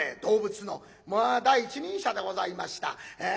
動物のまあ第一人者でございました。